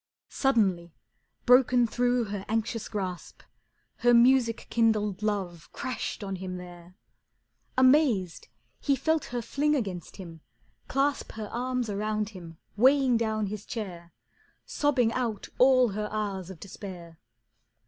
Suddenly, broken through her anxious grasp, Her music kindled love crashed on him there. Amazed, he felt her fling against him, clasp Her arms about him, weighing down his chair, Sobbing out all her hours of despair.